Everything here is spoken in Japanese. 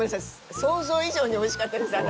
想像以上においしかったです、私。